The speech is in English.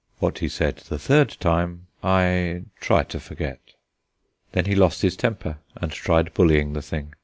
What he said the third time I try to forget. Then he lost his temper and tried bullying the thing.